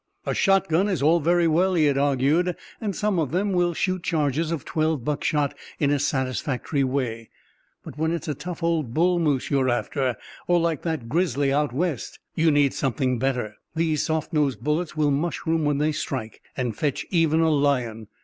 "A shotgun is all very well," he had argued, "and some of them will shoot charges of twelve buckshot in a satisfactory way; but when it's a tough old bull moose you're after, or like that grizzly out West, you need something better. These soft nosed bullets will mushroom when they strike, and fetch even a lion.